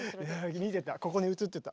見てた。